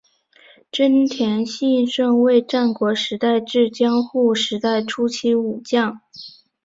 真田信胜为战国时代至江户时代初期武将。